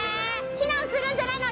避難するんじゃないの？